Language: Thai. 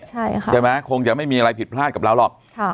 ใช่ค่ะใช่ไหมคงจะไม่มีอะไรผิดพลาดกับเราหรอก